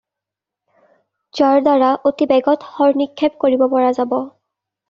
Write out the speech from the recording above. যাৰদ্বাৰা অতি বেগত শৰ নিক্ষেপ কৰিব পৰা যাব।